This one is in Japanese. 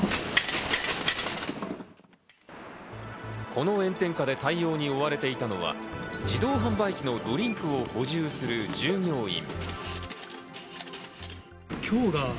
この炎天下で対応に追われていたのは自動販売機のドリンクを補充する従業員。